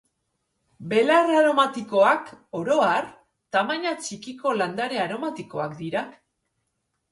Belar aromatikoak, oro har, tamaina txikiko landare aromatikoak dira